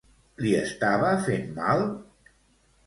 Li estava fent mal?